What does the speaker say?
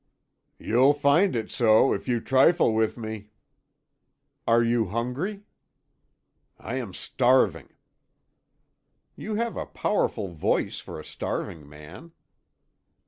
"You'll find it so, if you trifle with me." "Are you hungry?" "I am starving." "You have a powerful voice for a starving man."